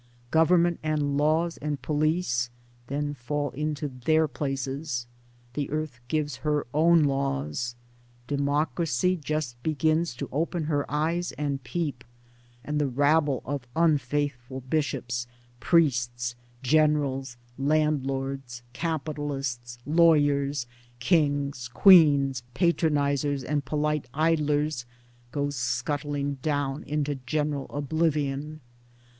] Government and laws and police then fall into their places — the earth gives her own laws ; Democracy just begins to open her eyes and peep ! and the rabble of unfaithful bishops, priests, generals, landlords, capitalists, lawyers, kings, queens, patron isers and polite idlers goes scuttling down into general oblivion.